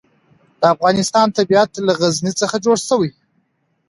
د افغانستان طبیعت له غزني څخه جوړ شوی دی.